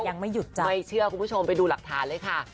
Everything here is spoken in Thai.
ยังไม่หยุดใจไม่เชื่อคุณผู้ชมไปดูหลักฐานเลยค่ะ